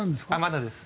まだです。